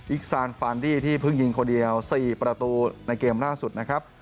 ซานฟานดี้ที่เพิ่งยิงคนเดียว๔ประตูในเกมล่าสุดนะครับ